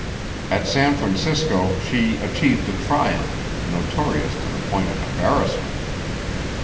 At San Francisco she achieved a triumph, notorious to the point of embarrassment.